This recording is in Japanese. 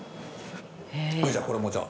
それじゃあこれもじゃあ